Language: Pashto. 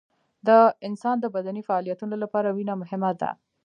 د انسان د بدني فعالیتونو لپاره وینه مهمه ده